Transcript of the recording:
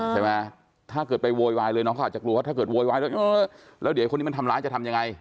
ถ้าเกิดไปโวยวายเลยน้องเขาอาจจะกลัวว่าถ้าเกิดโวยวายแล้วเดี๋ยวคนนี้มันทำร้ายจะทำยังไง